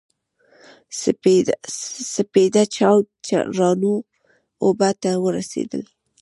سپېده چاود روانو اوبو ته ورسېدل.